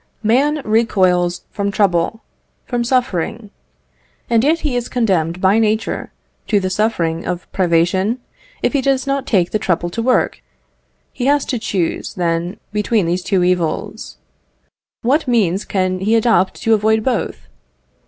Man recoils from trouble from suffering; and yet he is condemned by nature to the suffering of privation, if he does not take the trouble to work. He has to choose, then, between these two evils. What means can he adopt to avoid both?